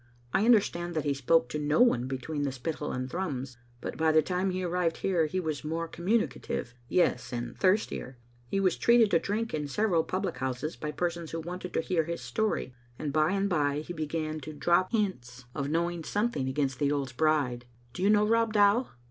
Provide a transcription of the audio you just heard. I understand that he spoke to no one between the Spittal and Thrums, but by the time he arrived here he was more communi cative; yes, and thirstier. He was treated to drink in several public houses by persons who wanted to hear his story, and by and by he began to drop hints ot Digitized by VjOOQ IC m «be I4ttie AtnMet. knowing something against the earl's bride. Do yon know Rob Dow?"